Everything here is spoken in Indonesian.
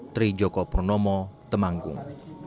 tri joko purnomo temanggung